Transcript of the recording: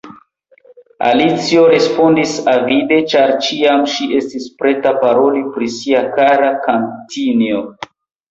Alicio respondis avide, ĉar ĉiam ŝi estis preta paroli pri sia kara katinjo.